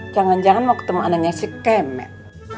jangan jangan mau ketemu anaknya si kemet